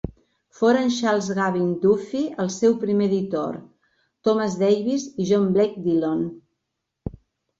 Foren Charles Gavan Duffy, el seu primer editor; Thomas Davis, i John Blake Dillon.